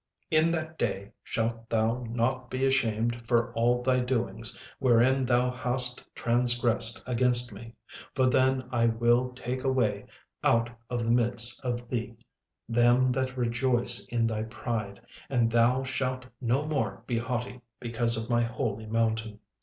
36:003:011 In that day shalt thou not be ashamed for all thy doings, wherein thou hast transgressed against me: for then I will take away out of the midst of thee them that rejoice in thy pride, and thou shalt no more be haughty because of my holy mountain.